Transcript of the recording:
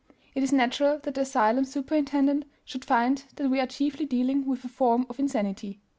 It is natural that the asylum superintendent should find that we are chiefly dealing with a form of insanity.